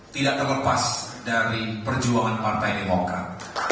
tidak terlepas dari perjuangan partai demokrat